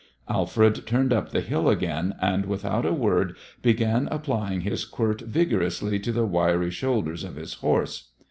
Alfred turned up the hill again, and without a word began applying his quirt vigorously to the wiry shoulders of his horse.